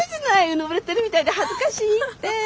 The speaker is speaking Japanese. うぬぼれてるみたいで恥ずかしいって。